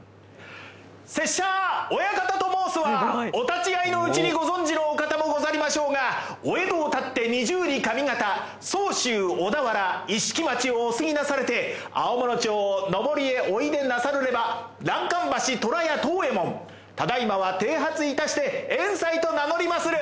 拙者親方と申すは、お立ち合いの内に御存知のお方もござりましょうが、お江戸を発って二十里上方、相州小田原、一色町をお過なされて、青物町を登へお出なさるれば、欄干橋虎屋藤右衛門、只今は剃髪致して、円斎と名乗まする。